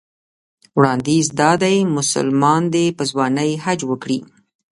وړاندیز دا دی مسلمان دې په ځوانۍ حج وکړي.